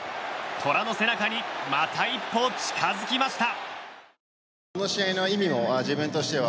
虎の背中にまた一歩近づきました。